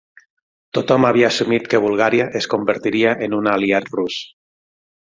Tothom havia assumit que Bulgària es convertiria en un aliat rus.